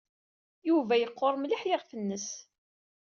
Yuba yeqqur mliḥ yiɣef-nnes.